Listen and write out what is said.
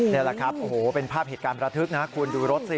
นี่แหละครับโอ้โหเป็นภาพเหตุการณ์ประทึกนะคุณดูรถสิ